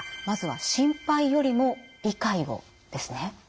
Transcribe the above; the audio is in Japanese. まずは「心配よりも理解を」ですね。